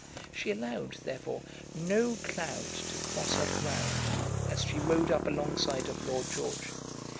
She allowed, therefore, no cloud to cross her brow as she rode up alongside of Lord George.